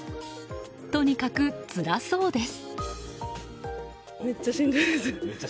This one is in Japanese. とにかくつらそうです。